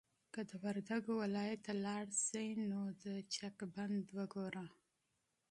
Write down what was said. که د وردګو ولایت ته لاړ شې نو د چک بند وګوره.